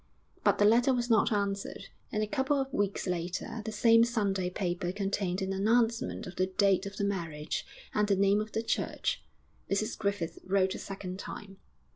_' But the letter was not answered, and a couple of weeks later the same Sunday paper contained an announcement of the date of the marriage and the name of the church. Mrs Griffith wrote a second time.